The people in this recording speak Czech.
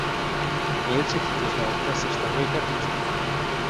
Moje třetí poznámka se vztahuje k Japonsku.